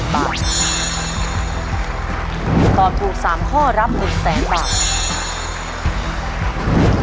ถ้าตอบถูก๓ข้อรับ๑๐๐๐๐๐บาท